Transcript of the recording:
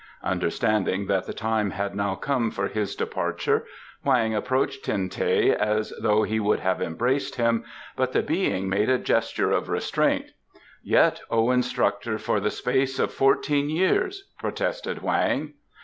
Understanding that the time had now come for his departure, Hoang approached Ten teh as though he would have embraced him, but the Being made a gesture of restraint. "Yet, O instructor, for the space of fourteen years " protested Hoang.